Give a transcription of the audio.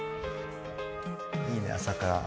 いいね朝から。